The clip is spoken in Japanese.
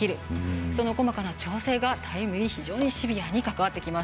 その細かな調整がタイムに非常にシビアに関わってきます。